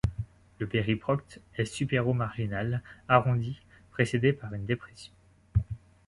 Le périprocte est supéromarginal, arrondi, précédé par une dépression.